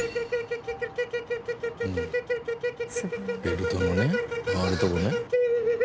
ベルトのね回るとこね。